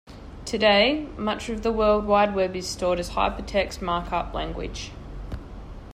Today, much of the World Wide Web is stored as Hypertext Markup Language.